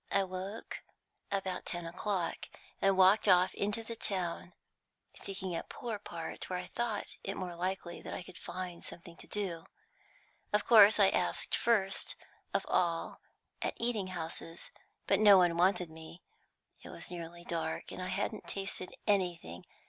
I woke about ten o'clock, and walked off into the town, seeking a poor part, where I thought it more likely I might find something to do. Of course I asked first of all at eating houses, but no one wanted me. It was nearly dark, and I hadn't tasted anything.